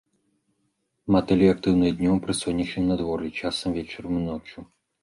Матылі актыўныя днём, пры сонечным надвор'і, часам вечарам і ноччу.